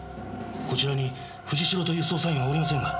こちらに藤代という捜査員はおりませんが。